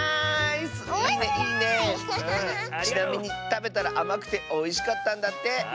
ちなみにたべたらあまくておいしかったんだって。